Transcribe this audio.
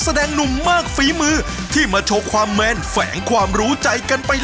และแน่นอนนะครับเราจะกลับมาสรุปกันต่อนะครับกับรายการสุขที่รักของเรานะครับ